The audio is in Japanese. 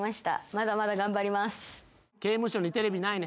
まだまだ頑張ります。